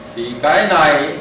thì cái này